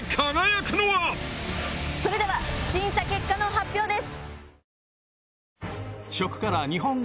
それでは審査結果の発表です。